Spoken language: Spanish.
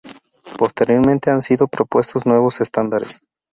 Posteriormente han sido propuestos nuevos estándares.